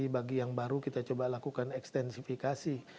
bagi yang baru kita coba lakukan ekstensifikasi